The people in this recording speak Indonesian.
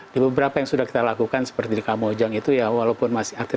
di beberapa yang sudah kita lakukan seperti di kamojang itu ya walaupun masih aktif